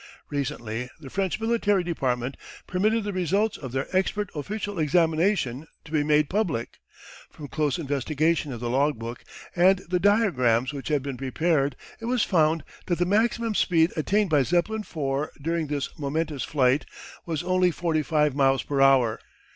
Recently the French military department permitted the results of their expert official examination to be made public. From close investigation of the log book and the diagrams which had been prepared, it was found that the maximum speed attained by Zeppelin IV during this momentous flight was only 45 miles per hour!